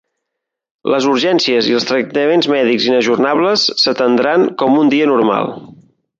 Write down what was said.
Les urgències i els tractaments mèdics inajornables s’atendran com un dia normal.